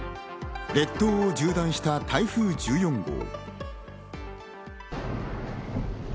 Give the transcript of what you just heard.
列島を縦断した台風１４号。